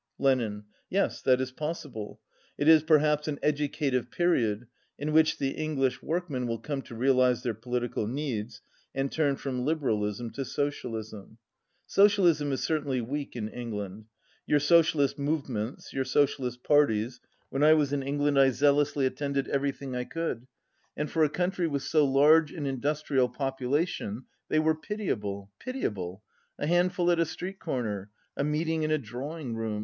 Lenin. "Yes, that is possible. It is, perhaps, an educative period, in which the English workmen will come to realize their political needs, and turn from liberalism to socialism. Socialism is cer tainly weak in England. Your socialist move ments, your socialist parties ... when I was in England I zealously attended everything I could, and for a country with so large an industrial popu lation they were pitiable, pitiable ... a handful at a street corner ... a meeting in a drawing •oom